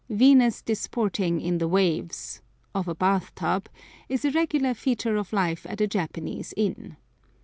"Venus disporting in the waves" of a bath tub is a regular feature of life at a Japanese inn.